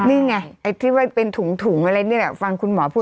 นี่ไงไอ้ที่ว่าเป็นถุงอะไรนี่แหละฟังคุณหมอพูด